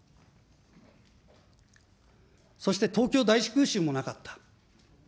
そして東京大空襲もなかった。